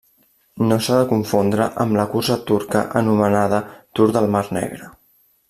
No s'ha de confondre amb la cursa turca anomenada Tour del Mar Negre.